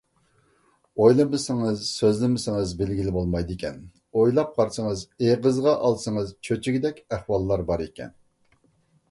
ئويلىمىسىڭىز، سۆزلىمىسىڭىز بىلگىلى بولمايدىكەن، ئويلاپ قارىسىڭىز، ئېغىزغا ئالسىڭىز چۆچۈگۈدەك ئەھۋاللار بار ئىكەن.